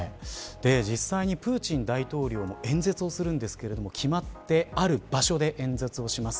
実際にプーチン大統領も演説をするんですが決まってある場所で演説をします。